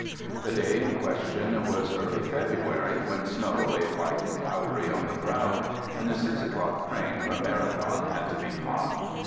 The day in question was early February when snow lay white and powdery on the ground, and the 6 o'clock train from Marathon had to be caught.